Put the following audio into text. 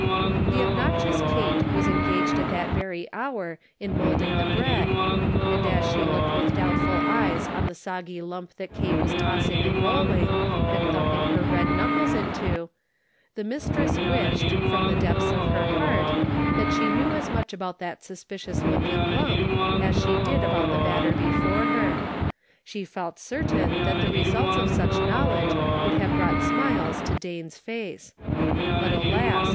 The obnoxious Kate was engaged at that very hour in molding the bread, and as she looked with doubtful eyes on the soggy lump that Kate was tossing and rolling, and thumping her red knuckles into, the mistress wished, from the depths of her heart, that she knew as much about that suspicious looking lump as she did about the batter before her ; she felt certain 92 The Pocket Measure. that the results of such knowledge would have brought smiles to Dane's face. But, alas